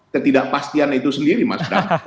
ketidakpastian itu sendiri mas